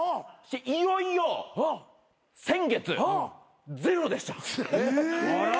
いよいよ先月ゼロでした。え？